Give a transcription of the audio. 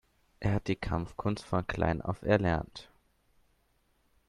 Er hat die Kampfkunst von klein auf erlernt.